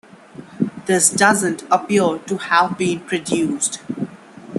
This doesn't appear to have been produced.